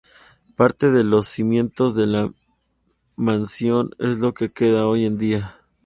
Parte de los cimientos de la mansión es lo que queda hoy en día.